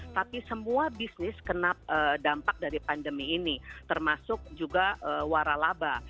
tapi semua bisnis kena dampak dari pandemi ini termasuk juga waralaba